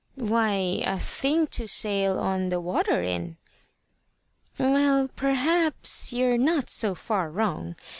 "Why, a thing to sail on the water in." "Well, perhaps you're not so far wrong.